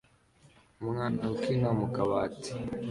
Umwana ukina mu kabati